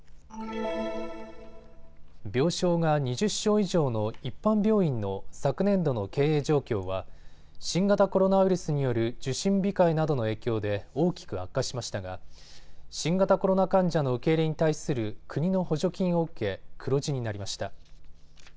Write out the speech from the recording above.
病床が２０床以上の一般病院の昨年度の経営状況は新型コロナウイルスによる受診控えなどの影響で大きく悪化しましたが新型コロナ患者の受け入れに対する国の補助金を受け黒字になりました。